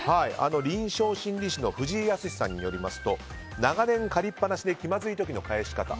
臨床心理士の藤井靖さんによると長年借りっぱなしで気まずい時の返し方。